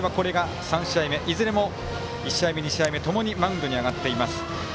いずれも１試合目、２試合目ともにマウンドに上がっています。